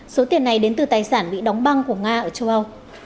số tiền này đến từ tài sản bị đóng băng của nga ở châu âu